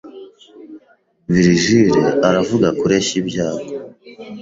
Virgil aravuga Kureshya ibyago